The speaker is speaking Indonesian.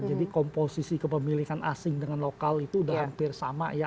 jadi komposisi kepemilikan asing dengan lokal itu udah hampir sama ya